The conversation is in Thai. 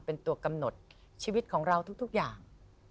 เป็นตัวกำหนดชีวิตของเราทุกอย่าง